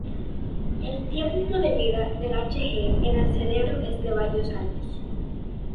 El tiempo de vida del Hg en el cerebro es de varios años.